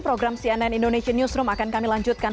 program cnn indonesia newsroom akan kami lanjutkan